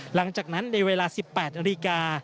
หลังจากนั้นในเวลา๑๘นาฬิกา